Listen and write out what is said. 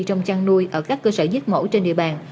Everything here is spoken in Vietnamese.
trong chăn nuôi ở các cơ sở giết mổ trên địa bàn